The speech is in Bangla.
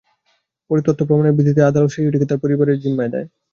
পরে তথ্য-প্রমাণের ভিত্তিতে আদালত শিশুটিকে তার পরিবারের জিম্মায় দেওয়ার নির্দেশ দেন।